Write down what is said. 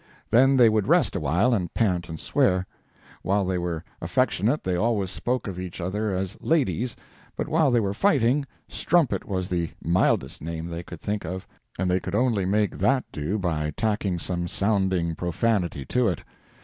Then they would rest awhile, and pant and swear. While they were affectionate they always spoke of each other as "ladies," but while they were fighting "strumpet" was the mildest name they could think of—and they could only make that do by tacking some sounding profanity to it.